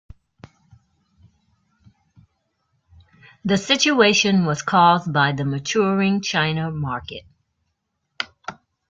The situation was caused by the maturing China market.